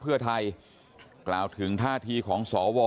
เพราะว่ากล้องก็ไม่ได้จับทุกคน